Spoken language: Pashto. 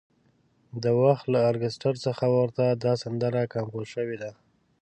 د وخت له ارکستر څخه ورته دا سندره کمپوز شوې ده.